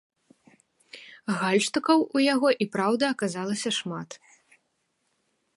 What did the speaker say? Гальштукаў ў яго і праўда аказалася шмат.